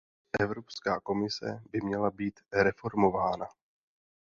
Evropská komise by měla být reformována.